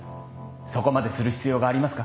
そこまでする必要がありますか。